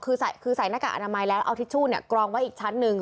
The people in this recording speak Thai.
คือใส่หน้ากากอนามัยแล้วเอาทิชชู่กรองไว้อีกชั้นหนึ่ง